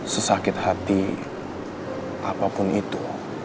sesakit hati apapun itu